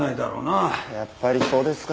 やっぱりそうですか。